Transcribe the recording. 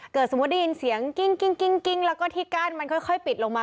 สมมุติได้ยินเสียงกิ้งแล้วก็ที่กั้นมันค่อยปิดลงมา